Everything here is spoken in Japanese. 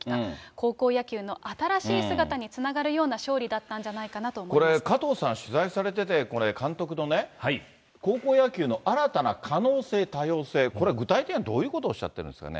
高校野球の新しい姿につながるような勝利だったんじゃないかなとこれ加藤さん、取材されてて、これ、監督のね、高校野球の新たな可能性、多様性、これ、具体的にはどういうことをおっしゃってるんですかね。